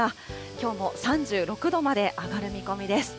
きょうも３６度まで上がる見込みです。